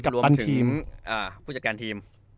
รวมถึงผู้จัดการทีม